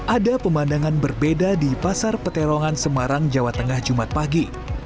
ada pemandangan berbeda di pasar peterongan semarang jawa tengah jumat pagi